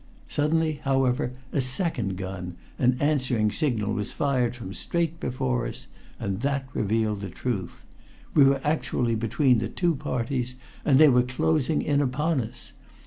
Suddenly, however, a second gun, an answering signal, was fired from straight before us, and that revealed the truth. We were actually between the two parties, and they were closing in upon us!